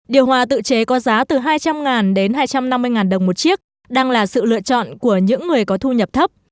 điều hòa tự chế có giá từ hai trăm linh đến hai trăm năm mươi đồng một chiếc đang là sự lựa chọn của những người có thu nhập thấp